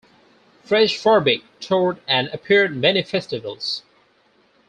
FreshFarbik toured and appeared many festivals.